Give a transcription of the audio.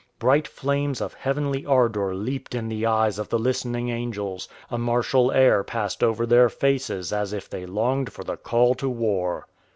Bright flames of heavenly ardour leaped in the eyes of the listening angels; a martial air passed over their faces as if they longed for the call to war.